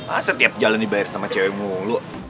masa tiap jalan dibayar sama cewek mulu